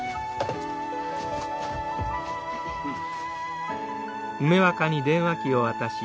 うん。